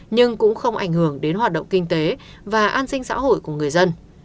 nhưng cũng không ảnh hưởng đến hoạt động kinh tế và an sinh xã hội của người dân